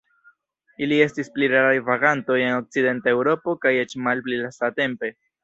Ili estis pli raraj vagantoj en okcidenta Eŭropo, kaj eĉ malpli lastatempe.